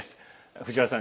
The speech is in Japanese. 藤原さん